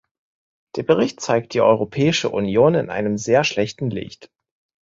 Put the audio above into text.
Der Bericht zeigt die Europäische Union in einem sehr schlechten Licht.